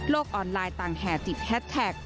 โลกออนไลน์ต่างแห่จิบแฮดแท็ก